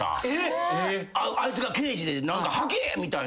あいつが刑事で「吐け！」みたいな。